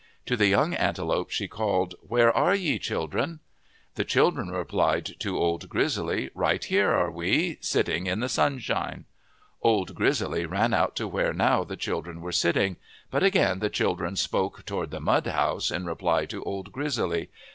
To the young antelopes she called, " Where are ye, children ?' The children replied to Old Grizzly :" Right here we are, sitting in the sunshine." Old Grizzly ran out to where now the children were sitting. But again the children spoke toward the mud house in reply to Old Grizzly.